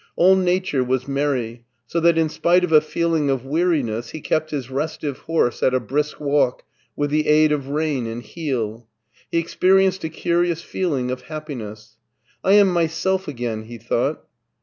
AU nature was merry, so that in spite of a feeling of weariness he kept his restive horse at a brisk wall^ with the aid of rein and heel. He experienced a curi^ ous feeling of happiness. "I am myself again,*' he thought.